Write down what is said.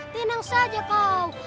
tenang saja kau